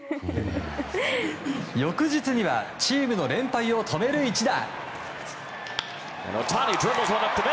翌日にはチームの連敗を止める一打。